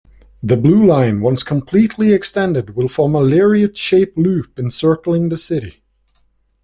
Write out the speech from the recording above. The Blue line, once completely extended, will form a lariat-shaped loop encircling the city.